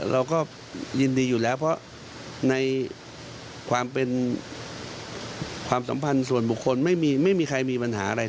เราก็ยินดีอยู่เลยนะครับ